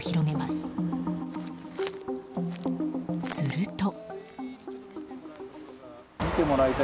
すると。